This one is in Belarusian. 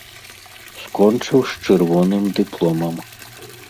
Скончыў з чырвоным дыпломам.